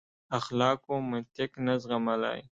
اخلاقو منطق نه زغملای.